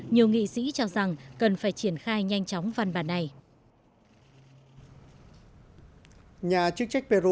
nhiều nghị sĩ cho rằng cần phải triển khai nhanh chóng văn bản này